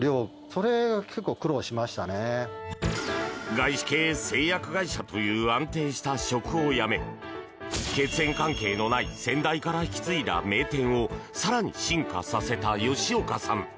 外資系製薬会社という安定した職を辞め血縁関係のない先代から引き継いだ名店を更に進化させた吉岡さん。